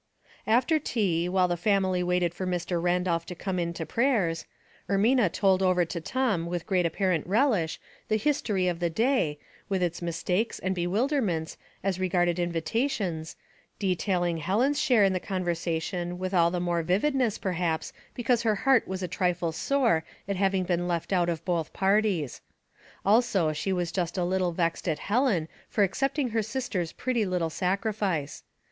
After tea, while the family waited for Mr. Randolph to come in to prayers, Ermina told over to Tom with great apparent relish the his tory of the day, with its mistakes and bewider ments as regarded invitations, detailing Helen's share in the conversation with all the more vivid ness perhaps because lier heart was a trifle sore at having been left out of both parties. Also she was just a little vexed at Helen for accepting her sister's pretty little sacrifice.